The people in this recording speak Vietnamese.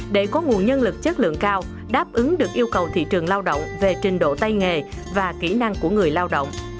để có nguồn nhân lực chất lượng cao đáp ứng được yêu cầu thị trường lao động về trình độ tay nghề và kỹ năng của người lao động